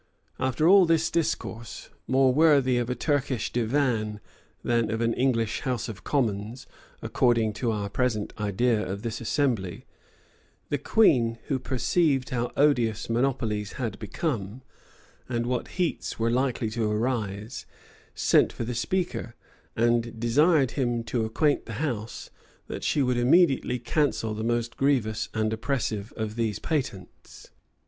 [] After all this discourse, more worthy of a Turkish divan than of an English house of commons, according to our present idea of this assembly, the queen, who perceived how odious monopolies had become, and what heats were likely to arise, sent for the speaker, and desired him to acquaint the house, that she would immediately cancel the most grievous and oppressive of these patents.